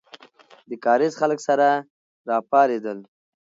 د کارېز خلک سره راپارېدل.